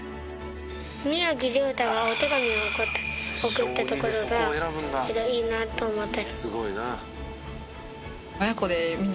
宮城リョータがお手紙を送ったところがいいなと思った。